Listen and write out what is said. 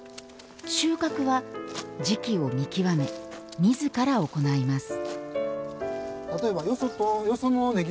収穫は時期を見極め自ら行います。